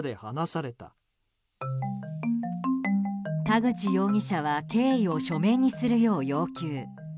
田口容疑者は経緯を書面にするよう要求。